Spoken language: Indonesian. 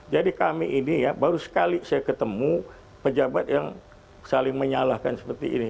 jadi kami ini ya baru sekali saya ketemu pejabat yang saling menyalahkan seperti ini